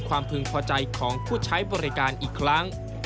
พึงพอใจของผู้ใช้บริการอีกครั้ง